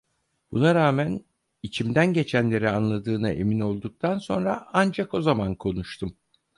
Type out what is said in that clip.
Buna rağmen, içimden geçenleri anladığına emin olduktan sonra, ancak o zaman konuştum.